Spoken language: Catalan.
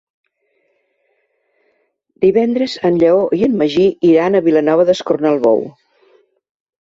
Divendres en Lleó i en Magí iran a Vilanova d'Escornalbou.